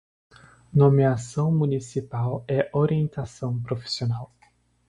Nomeação municipal é orientação profissional